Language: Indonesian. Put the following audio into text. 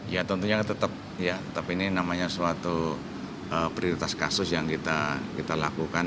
ya tentunya tetap ya tapi ini namanya suatu prioritas kasus yang kita lakukan